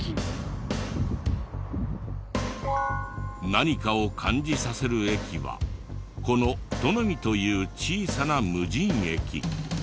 何かを感じさせる駅はこの富海という小さな無人駅。